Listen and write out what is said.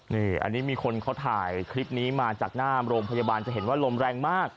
นี่อันนี้มีคนเขาถ่ายคลิปนี้มาจากหน้าโรงพยาบาลจะเห็นว่าลมแรงมาก